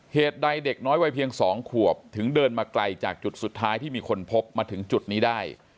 เหตุใดเด็กน้อยวัยเพียง๒ขวบถึงเดินมาไกลจากจุดสุดท้ายที่มีคนพบมาถึงจุดนี้ได้